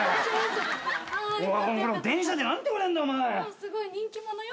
すごい人気者よ。